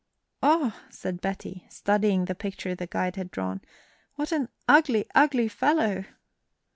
"Oh," said Betty, studying the picture the guide had drawn, "what an ugly, ugly fellow!"